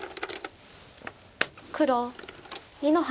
黒２の八。